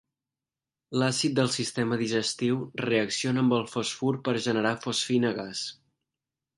L'àcid del sistema digestiu reacciona amb el fosfur per a generar fosfina gas.